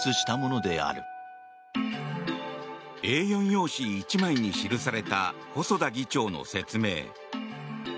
Ａ４用紙１枚に記された細田議長の説明。